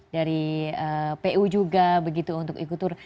dari pu juga begitu untuk ikut